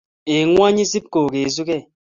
eng ng'ony Isib kogesugei.